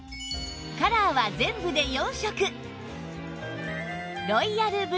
カラーは全部で４色